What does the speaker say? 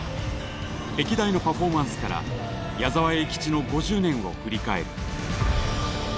歴代のパフォーマンスから矢沢永吉の５０年を振り返る。